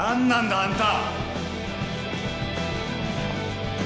あんた。